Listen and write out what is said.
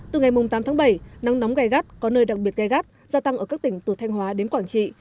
từ ngày tám tháng bảy nắng nóng gai gắt có nơi đặc biệt gai gắt gia tăng ở các tỉnh từ thanh hóa đến quảng trị